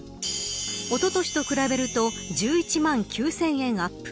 おととしと比べると１１万９０００円アップ。